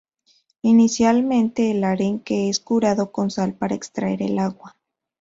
Inicialmente el arenque es curado con sal para extraerle el agua.